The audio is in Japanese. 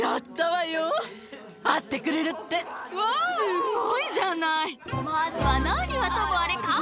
すごいじゃない。